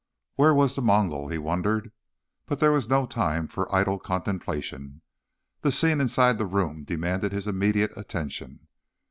Where was the Mongol? he wondered. But there was no time for idle contemplation. The scene inside the room demanded his immediate attention.